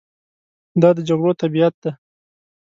دا د جګړو طبیعت دی.